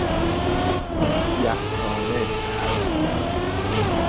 سیه خانه